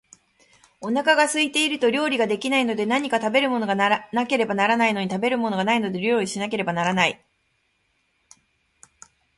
お腹が空いていると料理が出来ないので、何か食べなければならないのに、食べるものがないので料理をしなければならない